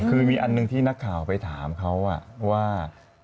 คือมีอันหนึ่งที่นักข่าวไปถามเขาว่า